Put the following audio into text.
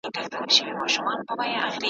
هغه وویل د خان مېرمن لنګیږي `